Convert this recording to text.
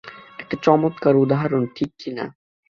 এটা চমৎকার একটা উদাহরণ, ঠিক কিনা?